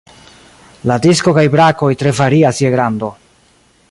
La disko kaj brakoj tre varias je grando.